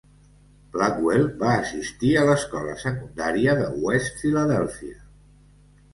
Blackwell va assistir a l'escola secundària de West Philadelphia.